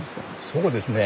そうですね。